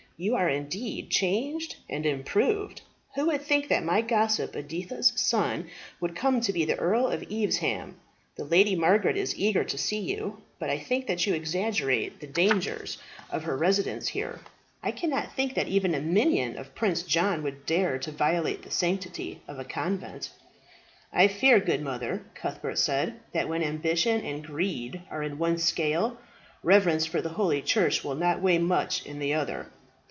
You are indeed changed and improved. Who would think that my gossip Editha's son would come to be the Earl of Evesham! The Lady Margaret is eager to see you; but I think that you exaggerate the dangers of her residence here. I cannot think that even a minion of Prince John would dare to violate the sanctity of a convent." "I fear, good mother," Cuthbert said, "that when ambition and greed are in one scale, reverence for the holy church will not weigh much in the other.